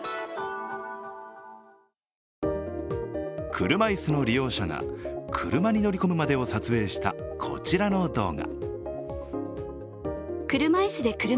車椅子の利用者が車に乗り込むまでを撮影した、こちらの動画。